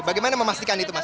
bagaimana memastikan itu mas